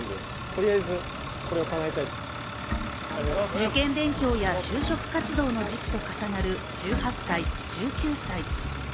受験勉強や就職活動の時期と重なる１８歳、１９歳。